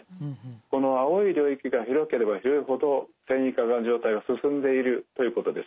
この青い領域が広ければ広いほど線維化の状態が進んでいるということですね。